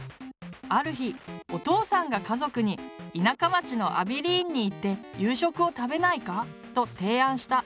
ある日お父さんが家族に「田舎町のアビリーンに行って夕食を食べないか？」と提案した。